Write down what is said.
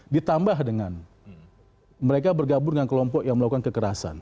ditambah dengan mereka bergabung dengan kelompok yang melakukan kekerasan